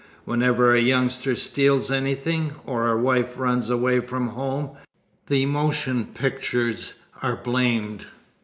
Whenever a youngster steals anything, or a wife runs away from home, the motion pictures are blamed.